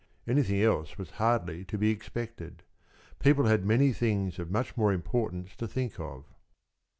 Anything else was hardly to be expected. People had many things of much more importance to think of.